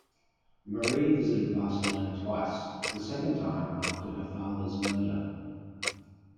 Marie visited Barcelona twice, the second time after her father's murder.